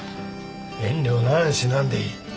遠慮なんしなんでいい。